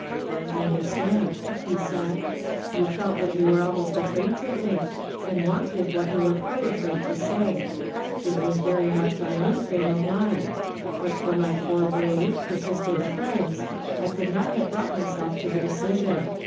" I understand," he said. " You felt what you were almost afraid to think, and wimted what ^oj* "WHO IIEALI yni ALL THY DISEASES." 47 were quite afraid to say. It was very nuioli my own frame of mind ; but for my four brave, [)er sistent friends, I could not have brouglit myself to the decision.